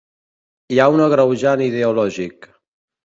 Hi ha un agreujant ideològic.